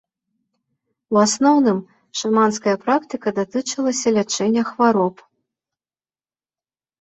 У асноўным шаманская практыка датычылася лячэння хвароб.